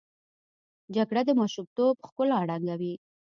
جګړه د ماشومتوب ښکلا ړنګوي